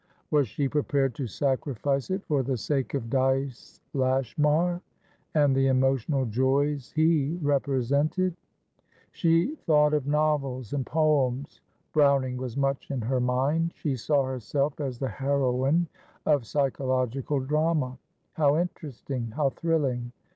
Was she prepared to sacrifice it for the sake of Dyce Lashmar, and the emotional joys he represented? She thought of novels and poems. Browning was much in her mind. She saw herself as the heroine of psychological drama. How interesting! How thrilling!